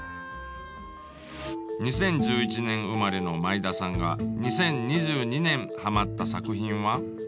２０１１年生まれの毎田さんが２０２２年ハマった作品は？